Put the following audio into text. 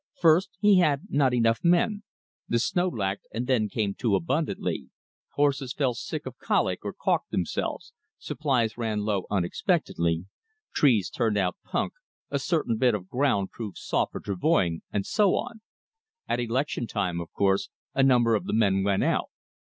First he had not enough men; the snow lacked, and then came too abundantly; horses fell sick of colic or caulked themselves; supplies ran low unexpectedly; trees turned out "punk"; a certain bit of ground proved soft for travoying, and so on. At election time, of course, a number of the men went out.